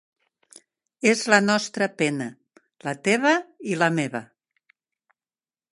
És la nostra pena: la teva i la meva.